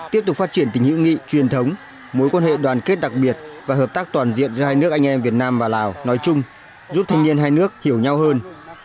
tiếp tục phát triển tình hữu nghị truyền thống mối quan hệ đoàn kết đặc biệt và hợp tác toàn diện giữa hai nước anh em việt nam và lào nói chung giúp thanh niên hai nước hiểu nhau hơn